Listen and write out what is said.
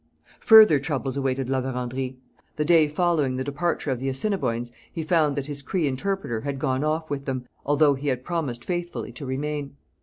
Further troubles awaited La Vérendrye. The day following the departure of the Assiniboines he found that his Cree interpreter had gone off with them, although he had promised faithfully to remain.